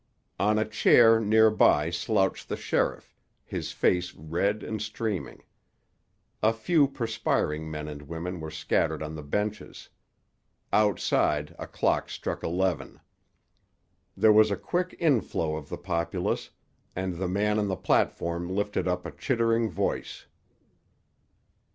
On a chair near by slouched the sheriff, his face red and streaming. A few perspiring men and women were scattered on the benches. Outside a clock struck eleven. There was a quick inflow of the populace, and the man on the platform lifted up a chittering voice.